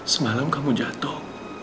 semalam kamu jatuh